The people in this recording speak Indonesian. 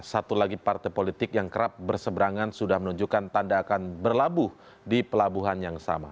satu lagi partai politik yang kerap berseberangan sudah menunjukkan tanda akan berlabuh di pelabuhan yang sama